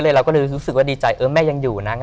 เราก็เลยรู้สึกว่าดีใจเออแม่ยังอยู่นะ